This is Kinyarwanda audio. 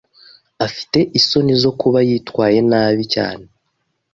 Afite isoni zo kuba yitwaye nabi cyane.